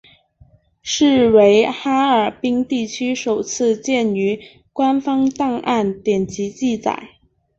是为哈尔滨地区首次见于官方档案典籍记载。